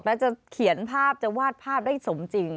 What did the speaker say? จะเขียนภาพจะวาดภาพได้สมจริง